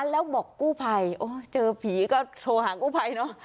แล้วบอกกู้ไพท์เจอพีทก็โหลหางกู้ไพท์เนาะ